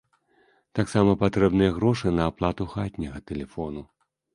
Таксама патрэбныя грошы на аплату хатняга тэлефону.